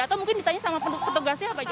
atau mungkin ditanya sama petugasnya apa aja